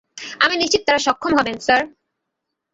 আমি নিশ্চিত তারা সক্ষম হবেন, স্যার।